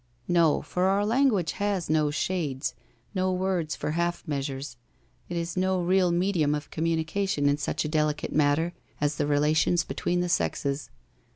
' Xo, for our language has no shades, no words for half measures, it is no real medium of communication in such a delicate matter as the relations between the sexes.